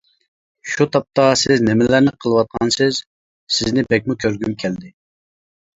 شۇ تاپتا سىز نېمىلەرنى قىلىۋاتقانسىز؟ سىزنى بەكمۇ كۆرگۈم كەلدى.